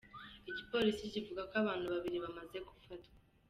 Igipolisi kivuga ko abantu babiri bamaze gufatwa.